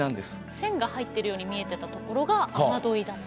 線が入ってるように見えてたところが雨だった。